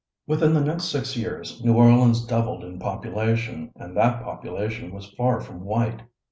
" Within the next six years New Orleans doubled in population and that population was far from white.